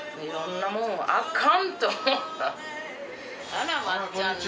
あらまっちゃんだ。